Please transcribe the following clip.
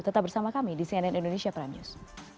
tetap bersama kami di cnn indonesia prime news